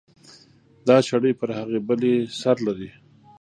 دا شړۍ پر هغې بلې سر لري.